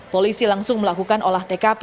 polisi langsung melakukan olah tkp